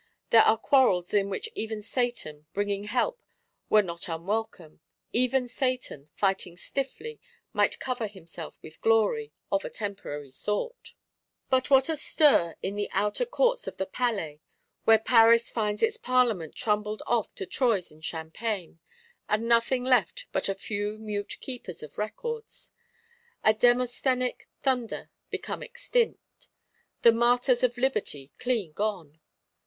There are quarrels in which even Satan, bringing help, were not unwelcome; even Satan, fighting stiffly, might cover himself with glory,—of a temporary sort. But what a stir in the outer courts of the Palais, when Paris finds its Parlement trundled off to Troyes in Champagne; and nothing left but a few mute Keepers of records; the Demosthenic thunder become extinct, the martyrs of liberty clean gone!